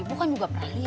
ibu kan juga berani